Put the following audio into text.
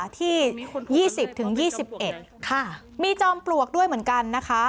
ที่๒๐๒๑มีจอมปลวกด้วยเหมือนกันนะคะ